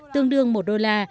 tương đương một đô la